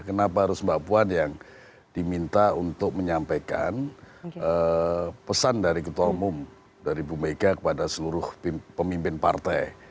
kenapa harus mbak puan yang diminta untuk menyampaikan pesan dari ketua umum dari ibu mega kepada seluruh pemimpin partai